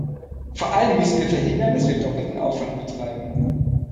Vor allem müssen wir verhindern, dass wir doppelten Aufwand betreiben.